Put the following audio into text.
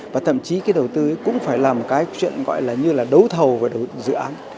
và thậm chí cái đầu tư cũng phải làm một cái chuyện gọi là như là đấu thầu và dự án